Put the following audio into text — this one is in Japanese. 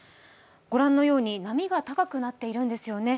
ご覧のように波が高くなっているんですよね。